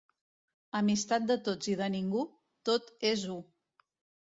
Amistat de tots i de ningú, tot és u.